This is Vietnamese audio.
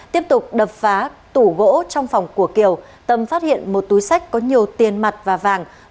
tiếp tục đập phá tủ gỗ trong phòng của kiều tâm phát hiện một túi sách có nhiều tiền mặt và vàng